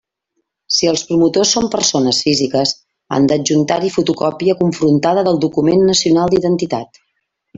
Si els promotors són persones físiques, han d'adjuntar-hi fotocòpia confrontada del document nacional d'identitat.